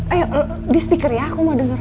ayo di speaker ya aku mau denger